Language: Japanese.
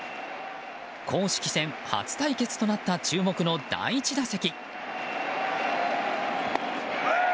公式戦初対決となった注目の第１打席。